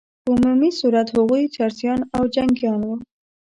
په عمومي صورت هغوی چرسیان او جنګیان وه.